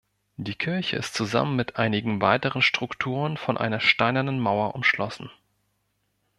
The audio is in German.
Die Kirche ist zusammen mit einigen weiteren Strukturen von einer steinernen Mauer umschlossen.